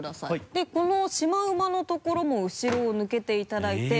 でこのシマウマのところも後ろを抜けていただいて。